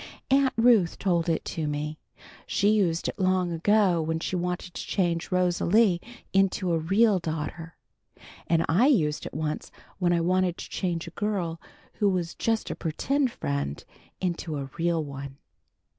Aunt Ruth told it to me. She used it long ago, when she wanted to change Rosalie into a real daughter, and I used it once when I wanted to change a girl who was just a pretend friend, into a real one.